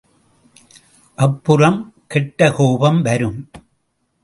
அப்புறம் கெட்ட கோபம் வரும்.